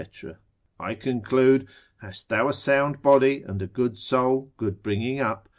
I conclude, hast thou a sound body, and a good soul, good bringing up?